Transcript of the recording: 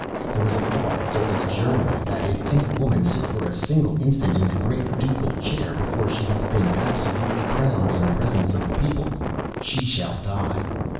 There is a law as old as Germany that if any woman sit for a single instant in the great ducal chair before she hath been absolutely crowned in presence of the people, SHE SHALL DIE!